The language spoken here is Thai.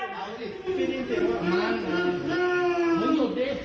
จริง